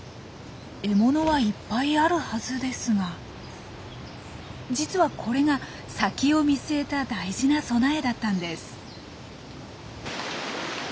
獲物はいっぱいあるはずですが実はこれが先を見据えた大事な備えだったんです。